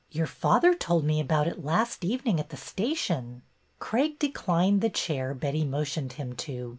'' Your father told me about it last evening at the station/' Craig declined the chair Betty motioned him to.